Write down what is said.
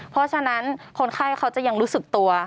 เพราะฉะนั้นคนไข้เขาจะยังรู้สึกตัว